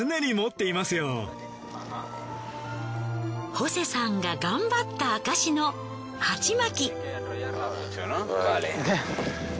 ホセさんが頑張った証しの鉢巻。